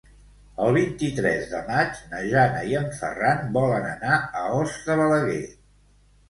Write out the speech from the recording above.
El vint-i-tres de maig na Jana i en Ferran volen anar a Os de Balaguer.